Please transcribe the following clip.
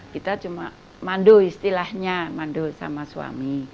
kita cuma mandu istilahnya mandu sama suami